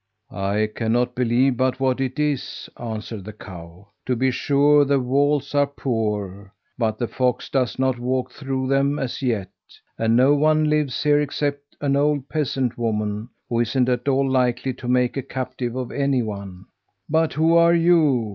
"I cannot believe but what it is," answered the cow. "To be sure the walls are poor, but the fox does not walk through them as yet; and no one lives here except an old peasant woman, who isn't at all likely to make a captive of anyone. But who are you?"